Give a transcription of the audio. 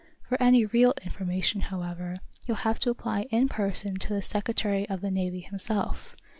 For any real information, however, you'll have to apply in person to the Secretary of the Navy himself.